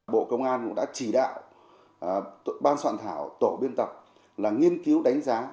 bộ công an cũng đã chỉ đạo ban soạn thảo tổ biên tập là nghiên cứu đánh giá